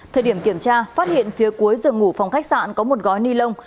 thời điểm kiểm tra phát hiện phía cuối rừng ngủ phòng khách sạn có một gói ni lông